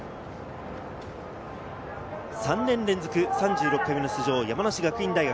３年連続３６回目の出場、山梨学院大学。